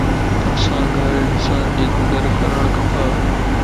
اسانک ھر انسان جي قدر ڪرڻ کپ